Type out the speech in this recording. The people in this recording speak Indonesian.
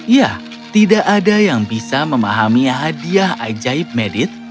ya tidak ada yang bisa memahami hadiah ajaib medit